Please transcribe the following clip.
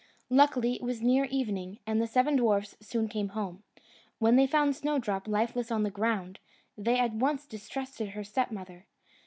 Luckily, it was near evening, and the seven dwarfs soon came home. When they found Snowdrop lifeless on the ground, they at once distrusted her stepmother.